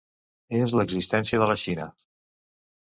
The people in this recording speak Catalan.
És l’existència de la Xina.